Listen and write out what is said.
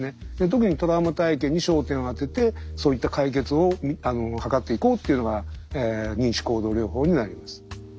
特にトラウマ体験に焦点を当ててそういった解決を図っていこうっていうのが認知行動療法になります。